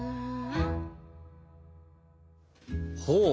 ほう。